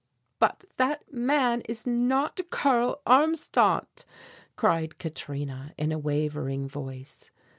"But that man is not Karl Armstadt," cried Katrina in a wavering voice.